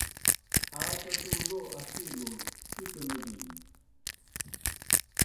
آ ٹٹُو لو اَصِیلُن پِکہ نہ دِینوْ۔